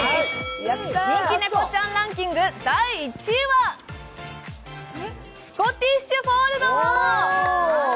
人気猫ちゃんランキング、第１位は、スコティッシュ・フォールド。